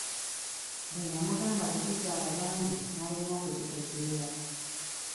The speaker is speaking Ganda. Bwe nnamugamba tetuzaala bangi n'alemwa okukitegeera.